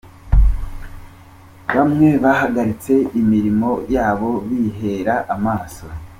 Bamwe bahagaritse imirimo yabo bihera amaso.